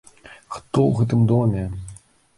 Хто ў гэтым доме?